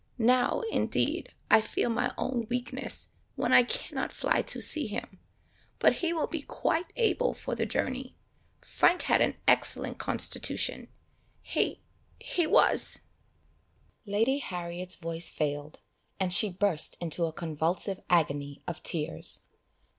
Now indeed I feel my own weakness, when I cannot fly to see him. But he will be quite able for the journey. Frank had an excellent constitution, he he was " Lady Harriet's voice failed, and she burst into a convulsive agony of tears.